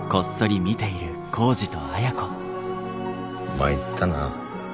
参ったな。